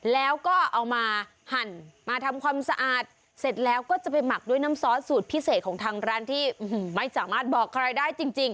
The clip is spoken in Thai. แล้วก็เอามาหั่นมาทำความสะอาดเสร็จแล้วก็จะไปหมักด้วยน้ำซอสสูตรพิเศษของทางร้านที่ไม่สามารถบอกใครได้จริง